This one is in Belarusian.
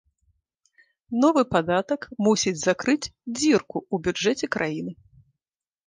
Новы падатак мусіць закрыць дзірку ў бюджэце краіны.